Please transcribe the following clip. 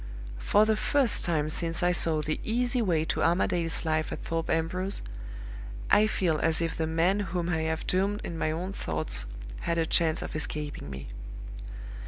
For the first time since I saw the easy way to Armadale's life at Thorpe Ambrose, I feel as if the man whom I have doomed in my own thoughts had a chance of escaping me.